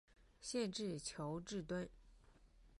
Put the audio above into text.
县治乔治敦。